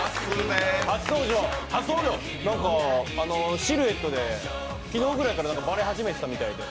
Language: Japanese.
シルエットで昨日ぐらいからばれ始めてたみたいで。